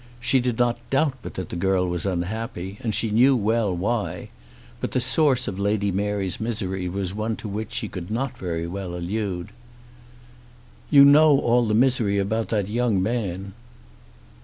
She did not doubt but that the girl was unhappy, and she knew well why; but the source of Lady Mary's misery was one to which she could not very well allude. "You know all the misery about that young man."